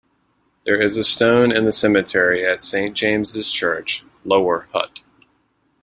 There is a stone in the cemetery at Saint James's Church, Lower Hutt.